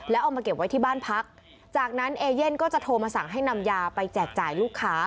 แล้วเอามาเก็บไว้ที่บ้านพักจากนั้นเอเย่นก็จะโทรมาสั่งให้นำยาไปแจกจ่ายลูกค้า